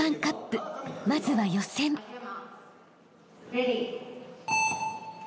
レディー。